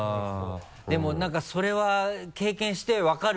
でもなんかそれは経験して分かるわけね。